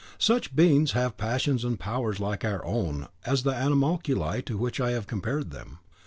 Such beings may have passions and powers like our own as the animalculae to which I have compared them.